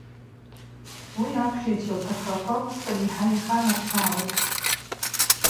Уи аԥхьаҩцәа рҭахрақәа усҟан еиҳа иханарҭәаауеит.